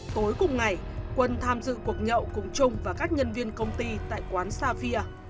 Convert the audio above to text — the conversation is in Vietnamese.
tối cùng ngày quân tham dự cuộc nhậu cùng trung và các nhân viên công ty tại quán savia